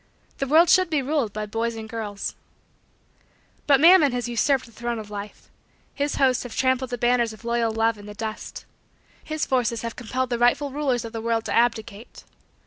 The world should be ruled by boys and girls. But Mammon has usurped the throne of Life. His hosts have trampled the banners of loyal love in the dust. His forces have compelled the rightful rulers of the world to abdicate.